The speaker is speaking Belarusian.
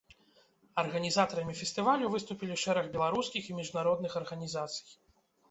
Арганізатарамі фестывалю выступілі шэраг беларускіх і міжнародных арганізацый.